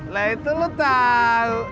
lah itu lo tau